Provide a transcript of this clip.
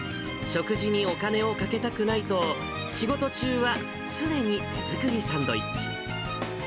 食事にお金をかけたくないと、仕事中は常に手作りサンドイッチ。